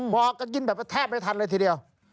บอกกันกินแบบแทบไม่ทันเลยทีเดียว